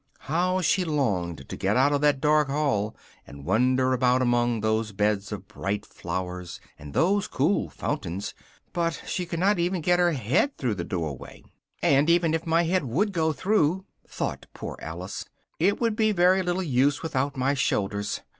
How she longed to get out of that dark hall, and wander about among those beds of bright flowers and those cool fountains, but she could not even get her head through the doorway, "and even if my head would go through," thought poor Alice, "it would be very little use without my shoulders.